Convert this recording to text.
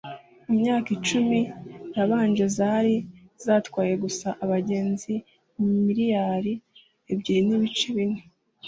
mu myaka icumi yabanje zari zatwaye gusa abagenzi miliyari ebyiri nibice bine